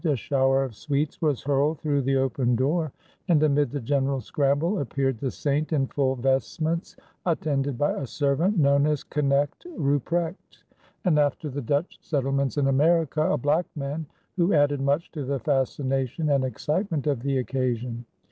A shower of sweets was hurled through the open door and amid the general scramble appeared the Saint in full vestments attended by a servant known as Knecht Ruprecht, and, after the Dutch settlements in America, a black man, who added much to the fascination and excitement of the occasion.